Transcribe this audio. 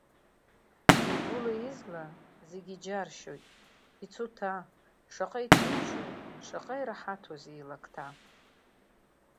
Игәыла-изла, зегьы иџьаршьоит, ицуҭа, шаҟа иҭынчуи, шаҟа ираҳаҭузеи илакҭа…